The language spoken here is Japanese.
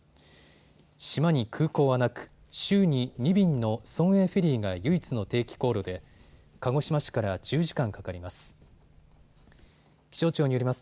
島に空港はなく、週に２便の村営フェリーが唯一の定期航路で鹿児島市から１０時間かかります。